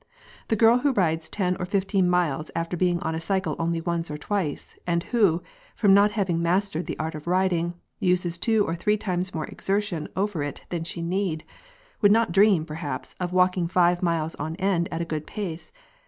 The girl who rides ten or fifteen miles after being on a cycle only once or twice, and who—from not having mastered the art of riding—uses two or three times more exertion over it than she need, would not dream, perhaps, of walking five miles on end at a good pace.